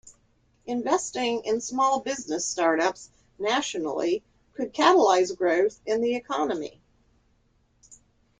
Investing in small business startups nationally could catalyze growth in the economy.